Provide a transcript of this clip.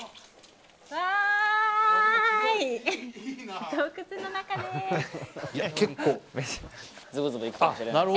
わーい！